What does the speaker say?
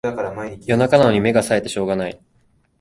夜中なのに目がさえてしょうがない